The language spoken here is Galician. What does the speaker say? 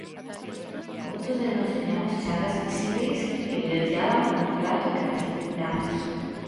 Moitos de nós tiñamos chagas visíbeis que evidenciaban o trato que recibiramos.